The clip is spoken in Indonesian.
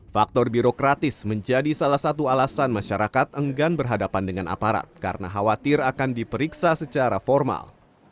faktor birokratis menjadi salah satu alasan masyarakat enggan berhadapan dengan aparat karena khawatir akan diperiksa secara formal